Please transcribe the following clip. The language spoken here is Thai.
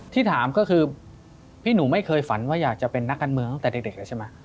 ที่ถามก็คือพี่หนูไม่เคยฝันว่าอยากจะเป็นนักการเมืองตั้งแต่เด็กแล้วใช่ไหม